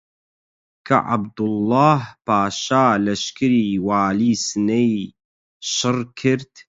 کە عەبدوڵڵاهـ پاشا لەشکری والیی سنەی شڕ کرد